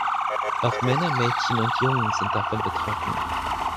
Auch Männer, Mädchen und Jungen sind davon betroffen.